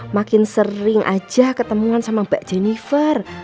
makin sering aja ketemuan sama mbak jennifer